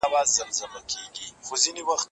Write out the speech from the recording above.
ټیکنالوژي پوهه هر ځای ته رسوي.